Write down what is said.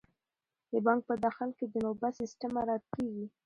د بانک په داخل کې د نوبت سیستم مراعات کیږي.